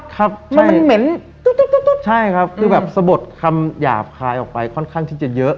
ครับเพราะมันเหม็นตุ๊บใช่ครับคือแบบสะบดคำหยาบคายออกไปค่อนข้างที่จะเยอะ